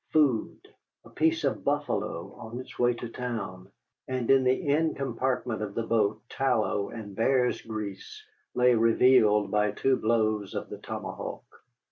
food. A piece of buffalo on its way to town, and in the end compartment of the boat tallow and bear's grease lay revealed by two blows of the tomahawk.